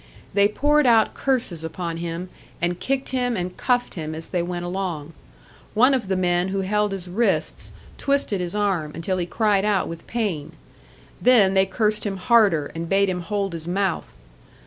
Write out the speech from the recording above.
They poured out curses upon him, and kicked him and cuffed him as they went along. One of the men who held his wrists twisted his arm, until he cried out with pain; then they cursed him harder, and bade him hold his mouth.